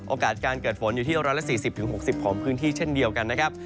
โอกาสการเกิดฝนอยู่ที่๑๔๐๖๐ของพื้นที่เช่นเดียวกันนะครับ